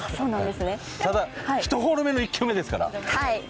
ただ１ホール目の１球目ですから。